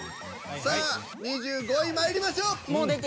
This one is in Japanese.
さあ２５位まいりましょう。